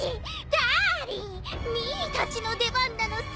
ダーリンミーたちの出番なのさ。